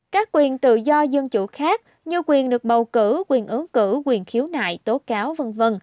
các quyền tự do dân chủ khác như quyền được bầu cử quyền ứng cử quyền khiếu nại tố cáo v v